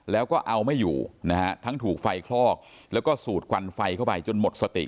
แล้วก็เอาไม่อยู่นะฮะทั้งถูกไฟคลอกแล้วก็สูดควันไฟเข้าไปจนหมดสติ